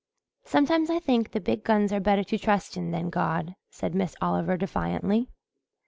"Sometimes I think the big guns are better to trust in than God," said Miss Oliver defiantly.